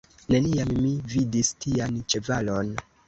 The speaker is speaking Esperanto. Neniam mi vidis tian ĉevalon!